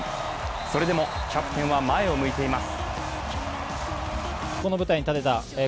それでもキャプテンは前を向いています。